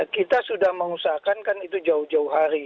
kita sudah mengusahakan kan itu jauh jauh hari